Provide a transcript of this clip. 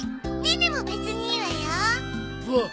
ネネも別にいいわよ。